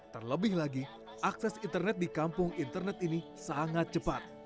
terlebih lagi akses internet di kampung internet ini sangat cepat